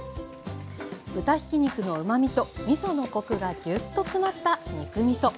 豚ひき肉のうまみとみそのコクがギュッと詰まった肉みそ。